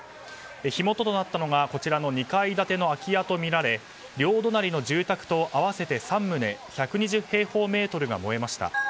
火元となったのが２階建ての空き家とみられ両隣の住宅と合わせて３棟１２０平方メートルが燃えました。